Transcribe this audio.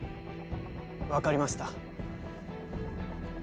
わかりました。